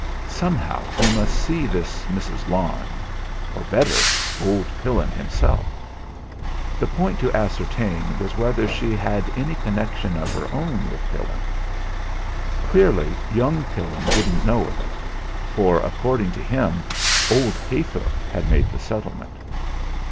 Somehow he must see this Mrs. Larne, or better old Pillin himself. The point to ascertain was whether she had any connection of her own with Pillin. Clearly young Pillin didn't know of it; for, according to him, old Heythorp had made the settlement.